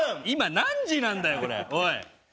今何時なんだよこれおい。